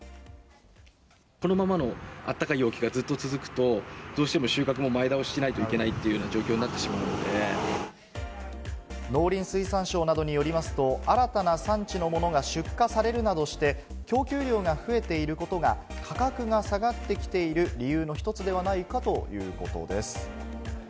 このままのあったかい陽気がずっと続くと、どうしても収穫も前倒ししないといけないというような状態になっ農林水産省などによりますと、新たな産地のものが出荷されるなどして、供給量が増えていることが、価格が下がってきている理由の一つではないかということです。